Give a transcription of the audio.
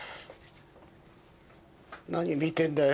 なに見てんだよ。